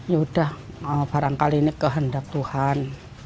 ya udah barangkali ini kehendak tuhan